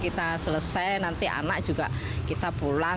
kita selesai nanti anak juga kita pulang